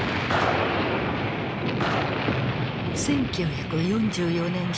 １９４４年７月。